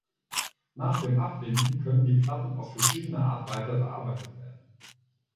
Nach dem Abbinden können die Platten auf verschiedene Art weiter bearbeitet werden.